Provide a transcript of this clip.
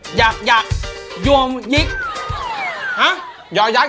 ยอย๊กอยากอยงยิ๊ก